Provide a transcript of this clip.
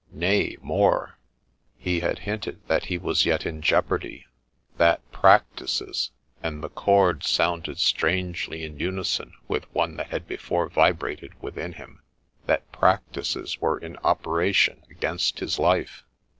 Nay, more ; he had hinted that he was yet in jeopardy ; that practices — and the chord sounded strangely in unison with one that had before vibrated within him — that practices were in operation against his life